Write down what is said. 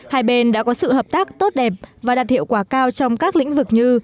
hai bên đã có sự hợp tác tốt đẹp và đạt hiệu quả cao trong các lĩnh vực như